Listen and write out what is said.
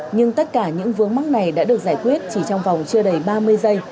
nhưng tất cả những vướng mắc này đã được giải quyết chỉ trong vòng chưa đầy ba mươi giây